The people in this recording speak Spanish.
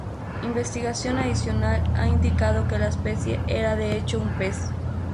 Investigación adicional ha indicado que la especie era de hecho un pez.